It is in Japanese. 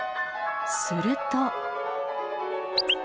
すると。